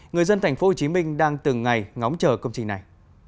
người dân tp hcm đang từng ngày ngóng chờ công trình này